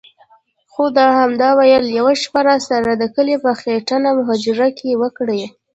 خو ده همدا ویل: یوه شپه راسره د کلي په خټینه هوجره کې وکړئ.